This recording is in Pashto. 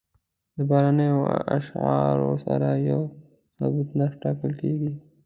د بهرنیو اسعارو سره یو ثابت نرخ ټاکل کېږي.